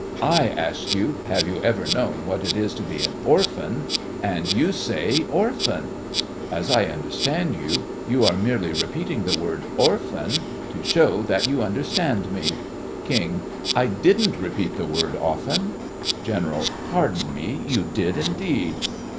I ask you, have you ever known what it is to be an orphan, and you say "orphan". As I understand you, you are merely repeating the word "orphan" to show that you understand me. KING: I didn't repeat the word often. GENERAL: Pardon me, you did indeed.